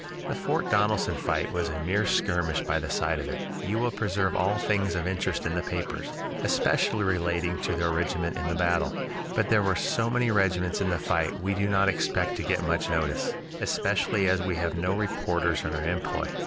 The Fort Donelson fight was a mere skirmish by the side of it. You will preserve all things of interest in the papers, especially relating to our regiment in the battle; but there were so many regiments in the fight we do not expect to get much notice, especially as we have no reporters in our employ.